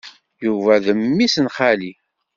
Yuba d memmi-s n xali.